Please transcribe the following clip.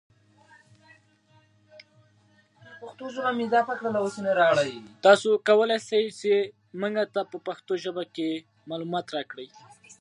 موږ په اختر کې مېوې او شیریني خورو.